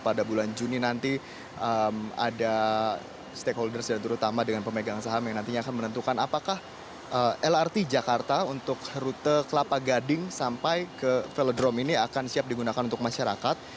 pada bulan juni nanti ada stakeholders dan terutama dengan pemegang saham yang nantinya akan menentukan apakah lrt jakarta untuk rute kelapa gading sampai ke velodrome ini akan siap digunakan untuk masyarakat